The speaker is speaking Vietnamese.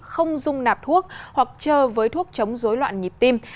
không dung nạp thuốc hoặc chơi với thuốc chống dối loạn nhịp tim